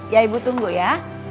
ya ibu tunggu ya